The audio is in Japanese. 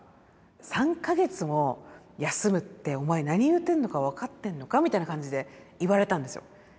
３か月も休むってお前何言うてんのか分かってんのかみたいな感じで言われたんですよ。